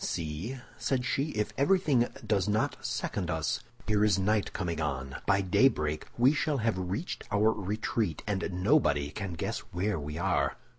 "See," said she, "if everything does not second us! Here is night coming on; by daybreak we shall have reached our retreat, and nobody can guess where we are.